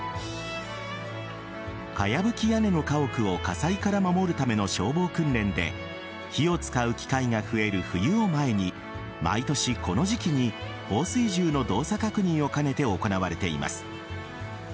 かやぶき屋根の家屋を火災から守るための消防訓練で火を使う機会が増える冬を前に毎年この時期に放水銃の動作確認を兼ねて行われています。